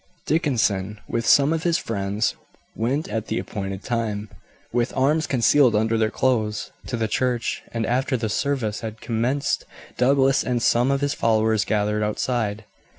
Dickson with some of his friends went at the appointed time, with arms concealed under their clothes, to the church; and after the service had commenced Douglas and some of his followers gathered outside.